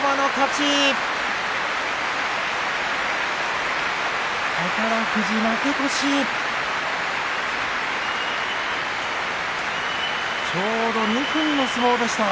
ちょうど２分の相撲でした。